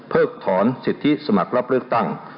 ถอนสิทธิสมัครรับเลือกตั้ง